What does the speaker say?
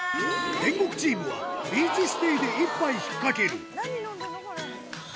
天国チームはビーチステイで一杯ひっかける。